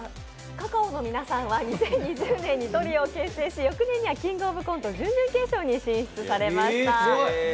ｃａｃａｏの皆さんは２０２０年に結成し翌年には「キングオブコント」準決勝に進出されました。